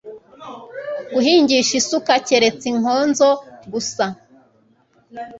guhingisha isuka keretse inkonzo gusa.